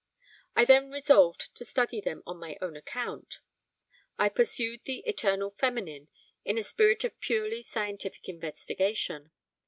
I then resolved to study them on my own account. I pursued the Eternal Feminine in a spirit of purely scientific investigation.